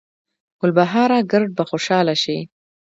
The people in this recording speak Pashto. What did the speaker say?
ګلبهاره ګړد به خوشحاله شي